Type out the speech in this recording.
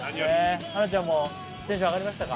花ちゃんもテンション上がりましたか？